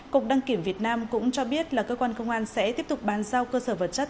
cục đăng kiểm việt nam cũng cho biết là cơ quan công an sẽ tiếp tục bàn giao cơ sở vật chất